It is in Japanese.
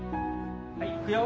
はいいくよ。